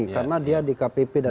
karena dia di kpp dan